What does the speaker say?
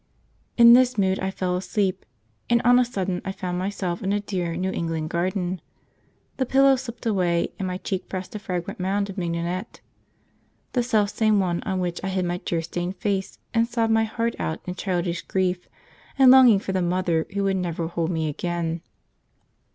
In this mood I fell asleep, and on a sudden I found myself in a dear New England garden. The pillow slipped away, and my cheek pressed a fragrant mound of mignonette, the self same one on which I hid my tear stained face and sobbed my heart out in childish grief and longing for the mother who would never hold me again.